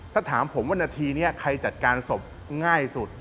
ถ้าถามผมว่านาทีนี้ใครจัดการศพง่ายสุด